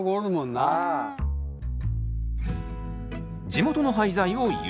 地元の廃材を有効活用。